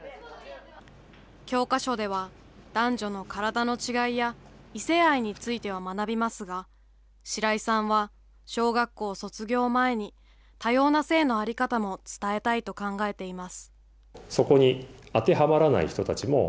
教科書では男女の体の違いや、異性愛については学びますが、白井さんは小学校卒業前に、多様な性の在り方も伝えたいと考えています。